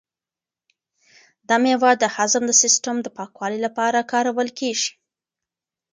دا مېوه د هضم د سیسټم د پاکوالي لپاره کارول کیږي.